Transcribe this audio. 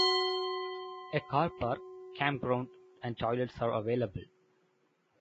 A car park, campground and toilets are available.